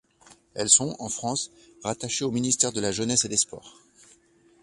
Elles sont, en France, rattachées au Ministère de la Jeunesse et des Sports.